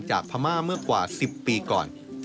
พม่าเมื่อกว่า๑๐ปีก่อน